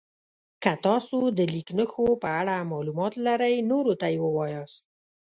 که تاسو د لیک نښو په اړه معلومات لرئ نورو ته یې ووایاست.